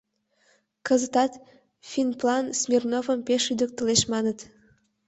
Кызытат финплан Смирновым пеш лӱдыктылеш, маныт.